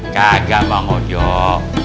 kagak bang wajib